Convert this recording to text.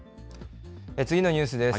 次のニュースです。